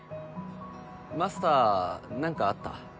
マスター何かあった？